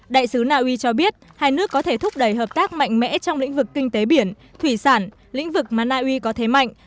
đại sứ na uy cho biết hai nước có thể thúc đẩy hợp tác mạnh mẽ trong lĩnh vực kinh tế biển thủy sản lĩnh vực mà na uy có thế mạnh